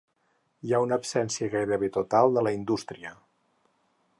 Hi ha una absència gairebé total de la indústria.